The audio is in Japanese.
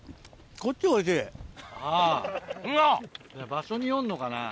場所によるのかな？